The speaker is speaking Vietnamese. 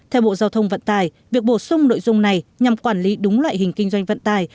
theo bộ giao thông vận tải việc bổ sung nội dung này nhằm quản lý đúng loại hình kinh doanh vận tải